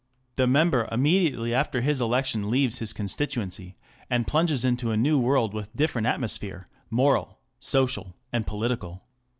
The member immediately after his election leaves his constituency, and plunges into a new world with different atmo sphere, moral, social, and political.